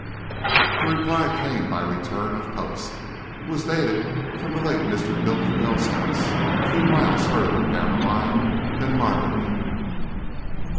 The reply came by return of post. It was dated from the late Mr. Bultiwell's house, a few miles farther down the line than Marlingden.